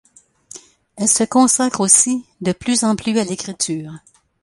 Elle se consacre aussi de plus en plus à l'écriture.